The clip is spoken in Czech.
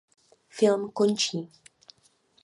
Film končí.